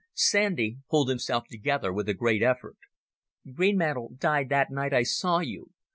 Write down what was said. Sandy pulled himself together with a great effort. "Greenmantle died that night I saw you.